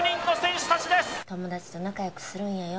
友達と仲良くするんやよ